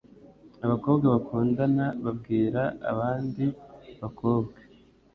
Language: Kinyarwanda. abakobwa bakundana babwira abandi bakobwa